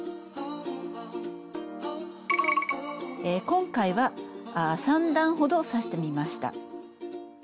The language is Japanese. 今回は３段ほど刺してみてました。